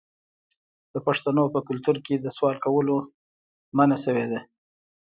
د پښتنو په کلتور کې د سوال کولو نه منع شوې ده.